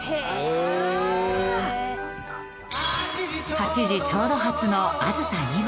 ８時ちょうど発のあずさ２号。